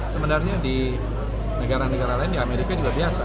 sebenarnya di negara negara lain di amerika juga biasa